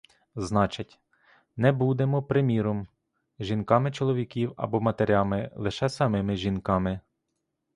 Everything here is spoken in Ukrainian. Значить: не будемо, приміром, жінками чоловіків або матерями, лише самими жінками.